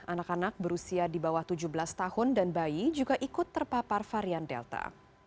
anak anak berusia di bawah tujuh belas tahun dan bayi juga ikut terpapar varian delta